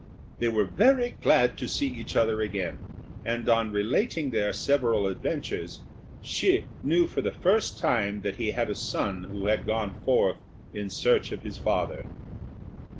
They were very glad to see each other again; and on relating their several adventures, Hsi knew for the first time that he had a son who had gone forth in search of his father.